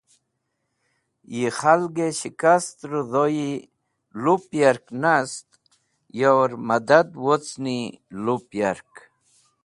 Yi khalgẽ shkast redhoyi lup yark nast yur mẽdad wocni lup yark.